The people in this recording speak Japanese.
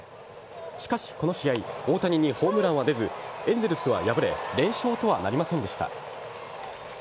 しかし、この試合大谷にホームランは出ずエンゼルスは敗れ連勝とはなりませんでした。